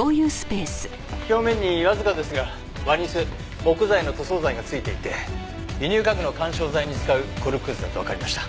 表面にわずかですがワニス木材の塗装剤が付いていて輸入家具の緩衝材に使うコルクくずだとわかりました。